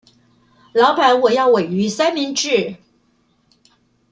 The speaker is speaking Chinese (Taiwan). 老闆我要鮪魚三明治